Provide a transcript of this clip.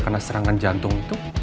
karena serangan jantung itu